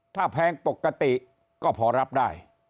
ถ้าแพงปกติก็พอรับได้